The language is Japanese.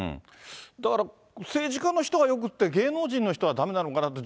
だから政治家の人がよくって、芸能人の人はだめなのかって